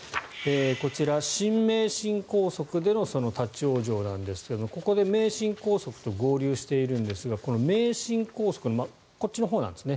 こちら、新名神高速での立ち往生なんですがここで名神高速と合流しているんですがこの名神高速のこっちのほうなんですね。